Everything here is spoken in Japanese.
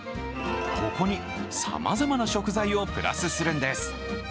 ここにさまざまな食材をプラスするんです。